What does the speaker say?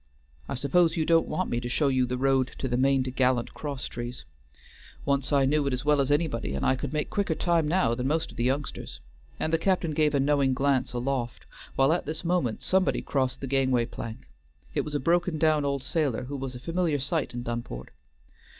I suppose you don't want me to show you the road to the main to'gallant cross trees; once I knew it as well as anybody, and I could make quicker time now than most of the youngsters," and the captain gave a knowing glance aloft, while at this moment somebody crossed the gangway plank. It was a broken down old sailor, who was a familiar sight in Dunport.